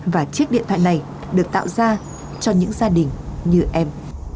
và chiếc điện thoại này được tạo ra cho những gia đình như em